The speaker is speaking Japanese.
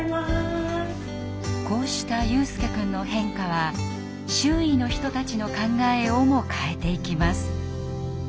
こうした悠翼くんの変化は周囲の人たちの考えをも変えていきます。